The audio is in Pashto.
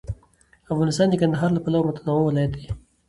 افغانستان د کندهار له پلوه متنوع ولایت دی.